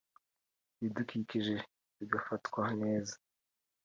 ibidukikije bigafatwa neza